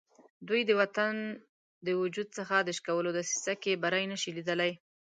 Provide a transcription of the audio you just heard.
دوی د وطن د وجود څخه د شکولو دسیسه کې بری نه شي لیدلای.